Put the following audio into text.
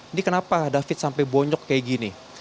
ini kenapa david sampai bonyok kayak gini